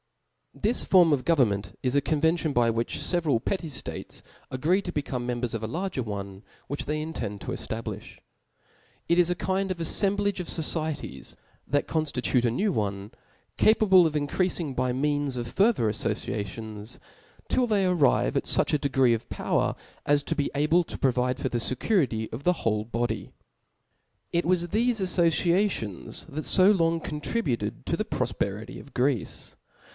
This form of goverrjmenr is a convcntio>i by vhich fcveral petty ftarcs agree to become members of a larger one, which they intend to eftablilh. It is a kind of aflemblage of fofieties, thatxonl^jtute a new one, capable of increafing by means of far ther aflbciations, till they acrivc to fuch a degree . pf i86 T H E S P I R I T Book of power, as to be able to provide for the fccu Cha^'i. ^^fy of ^^^ whole body. It was thefe affociations that fo long contributed to the profperity of Greece.